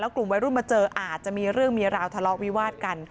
กลุ่มวัยรุ่นมาเจออาจจะมีเรื่องมีราวทะเลาะวิวาดกัน